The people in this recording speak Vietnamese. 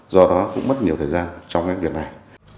do đó cũng mất nhiều thời gian trong cái việc này